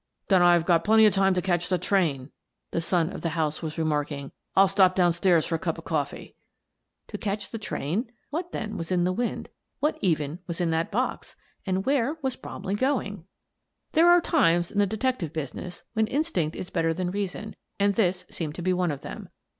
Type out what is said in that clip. " Then I've got plenty of time to catch the train," the son of the house was remarking. "I'll stop down stairs for a cup of coffee." To catch the train? What, then, was in the Bromley Grows Mysterious 227 wind? What, even, was in that box? And where was Bromley going? There are times in the detective business when instinct is better than reason, and this seemed to be one of them.